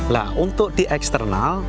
nah untuk di eksternal